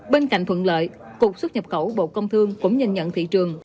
bên cạnh thuận lợi cục xuất nhập khẩu bộ công thương cũng nhìn nhận thị trường